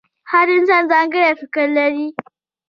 • هر انسان ځانګړی فکر لري.